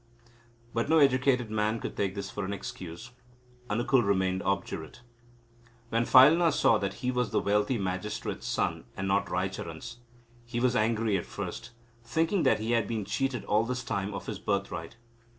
But no educated man could take this for an excuse. Anukul remained obdurate. When Phailna saw that he was the wealthy magistrate's son, and not Raicharan's, he was angry at first, thinking that he had been cheated all this time of his birthright.